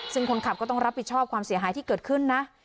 ซึ่งคนขับก็ต้องรับผิดชอบความเสียหายที่เกิดขึ้นนะ